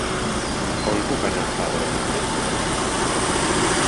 On puc anar a empadronar-me?